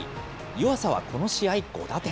湯浅はこの試合５打点。